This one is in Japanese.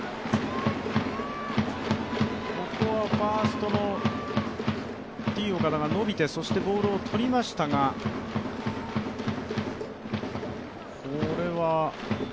ここはファーストのＴ−岡田が伸びて、そしてボールをとりましたが、これは。